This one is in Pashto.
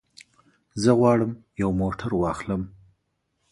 زه غواړم یو موټر واخلم.